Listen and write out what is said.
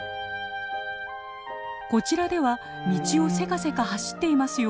こちらでは道をせかせか走っていますよ。